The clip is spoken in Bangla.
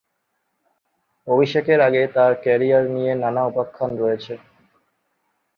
অভিষেকের আগে তার ক্যারিয়ার নিয়ে নানা উপাখ্যান রয়েছে।